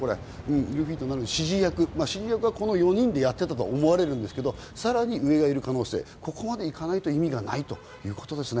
ルフィとなる指示役、この４人でやっていたと思われるんですけれど、さらに上がいる可能性、ここまで行かないと意味がないということですね。